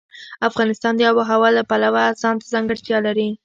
افغانستان د آب وهوا د پلوه ځانته ځانګړتیا لري.